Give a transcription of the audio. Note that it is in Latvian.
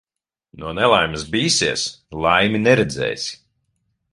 No nelaimes bīsies, laimi neredzēsi.